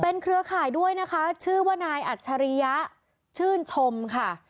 เครือข่ายด้วยนะคะชื่อว่านายอัจฉริยะชื่นชมค่ะ